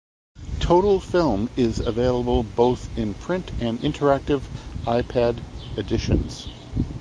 "Total Film" is available both in print and interactive iPad editions.